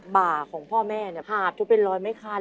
บ่าของพ่อแม่ขาดจนเป็นรอยไม้ครัน